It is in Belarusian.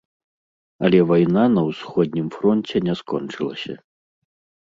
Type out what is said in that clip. Але вайна на ўсходнім фронце не скончылася.